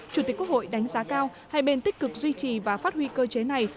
chủ tịch quốc hội đánh giá cao hai bên tích cực duy trì và phát huy cơ chế này